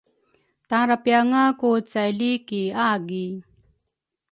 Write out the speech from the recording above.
Tara pianga ku caili ki agi?